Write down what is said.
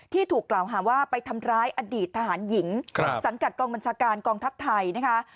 ถูกกล่าวหาว่าไปทำร้ายอดีตทหารหญิงสังกัดกองบัญชาการกองทัพไทยนะคะ